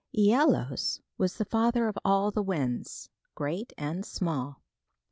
Æolus was the father of all the winds, great and small.